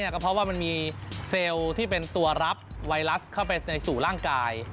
ก็เพราะว่ามันมีเซลล์ที่เป็นตัวรับไวรัสเข้าไปในสู่ร่างกาย